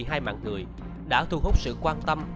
hai mạng người đã thu hút sự quan tâm